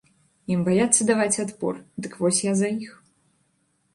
Ім баяцца даваць адпор, дык вось я за іх.